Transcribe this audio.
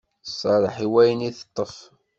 Tserreḥ i wayen i teṭṭef.